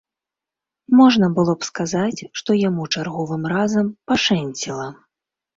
Можна было б сказаць, што яму чарговым разам пашэнціла.